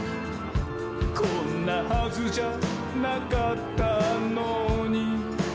「こんなはずじゃなかったのに」